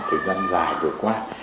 trong một khoảng thời gian dài vừa qua